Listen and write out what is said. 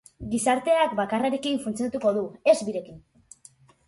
Gizarteak bakarrarekin funtzionatuko du, ez birekin.